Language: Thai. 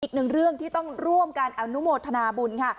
อีกหนึ่งเรื่องที่ต้องร่วมกันอนุโมทนาบุญค่ะ